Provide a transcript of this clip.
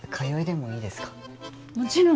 もちろん。